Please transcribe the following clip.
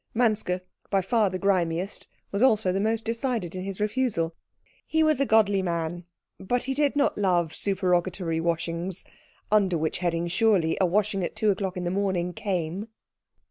Manske, by far the grimiest, was also the most decided in his refusal; he was a godly man, but he did not love supererogatory washings, under which heading surely a washing at two o'clock in the morning came.